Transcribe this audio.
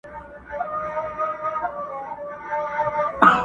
o د درواغو مزل لنډ دئ٫